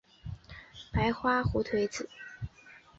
白花胡颓子为胡颓子科胡颓子属下的一个种。